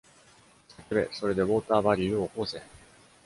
叫べ、それで、ウォーターバリーを起こせ。